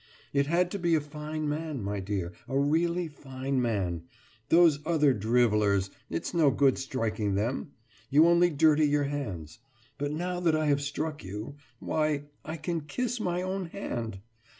»It had to be a fine man, my dear, a really fine man. Those other drivellers its no good striking them you only dirty your hands. But now that I have struck you why, I can kiss my own hand!